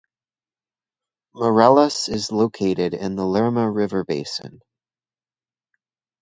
Morelos is located in the Lerma River basin.